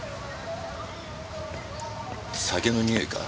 酒のにおいか？